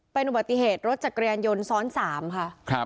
เป็นอุบัติเหตุรถจักรยานยนต์ซ้อน๓ค่ะ